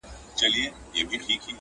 و چاته چي ښوولی پېړۍ مخکي ما تکبیر دی.